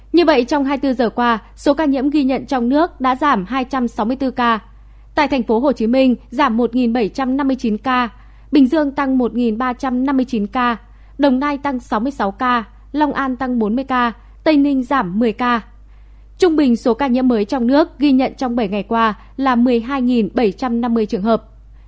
như vậy trong hai mươi bốn giờ qua số ca nhiễm ghi nhận trong nước đã giảm hai trăm sáu mươi bốn ca tại tp hcm giảm một bảy trăm năm mươi chín ca bình dương tăng một ba trăm năm mươi chín ca đồng nai tăng sáu mươi sáu ca long an tăng bốn mươi ca tây ninh giảm một mươi ca trung bình số ca nhiễm mới trong nước ghi nhận trong bảy ngày qua là một mươi hai bảy trăm năm mươi trường hợp